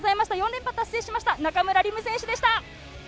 ４連覇を達成しました、中村輪夢選手でした。